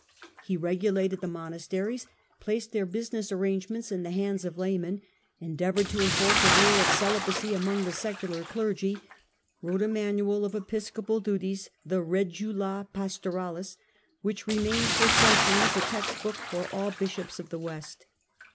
He regulated the monasteries, placed their business arrangements in the hands of laymen, en deavoured to enforce a rule of celibacy among the secular clergy, wrote a manual of episcopal duties, the Reg id a Pastoralis, which remained for centuries a text book for all bishops of the West.